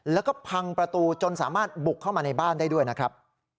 แล้วก็พังประตูจนสามารถบุกเข้ามาในบ้านได้ด้วยนะครับ